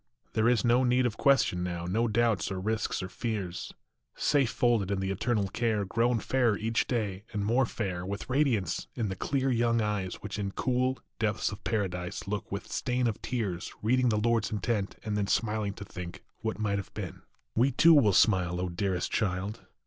There is no need of question now, No doubts or risks or fears : Safe folded in the Eternal care, Grown fairer each day and more fair, With radiance in the clear young eyes Which in cool, depths of Paradise Look without stain of tears, Reading the Lord s intent, and then Smiling to think what might have been. We too will smile, O dearest child